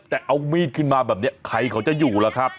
แต่เอามีดขึ้นมาแบบนี้ใครเขาจะอยู่ล่ะครับ